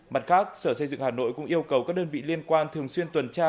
mặt khác sở xây dựng hà nội cũng yêu cầu các đơn vị liên quan thường xuyên tuần tra